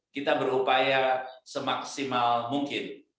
kita berupaya semaksimal mungkin